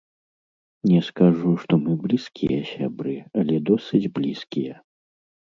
Не скажу, што мы блізкія сябры, але досыць блізкія.